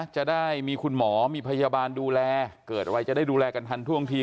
จะได้มีคุณหมอมีพยาบาลดูแลเกิดอะไรจะได้ดูแลกันทันท่วงที